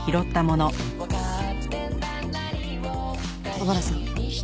小原さん